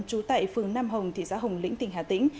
trú tại phường nam hồng thị xã hồng lĩnh tỉnh hà tĩnh